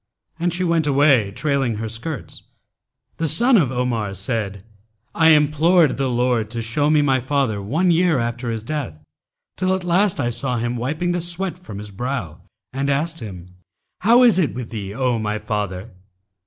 And she went away trailing her skirts.[FN#282] The son of Omar said, 'I implored the Lord to show me my father one year after his death, till at last I saw him wiping the sweat from his brow and asked him, 'How is it with thee, O my father?'